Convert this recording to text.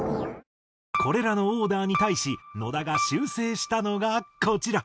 これらのオーダーに対し野田が修正したのがこちら。